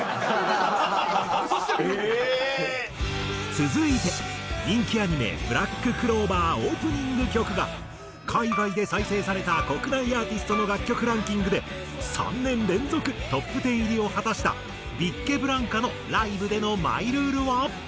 続いて人気アニメ『ブラッククローバー』オープニング曲が海外で再生された国内アーティストの楽曲ランキングで３年連続トップ１０入りを果たしたビッケブランカのライブでのマイルールは？